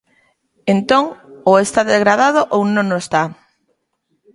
Entón, ou está degradado ou non o está.